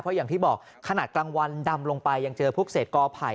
เพราะอย่างที่บอกขนาดกลางวันดำลงไปยังเจอพวกเศษกอไผ่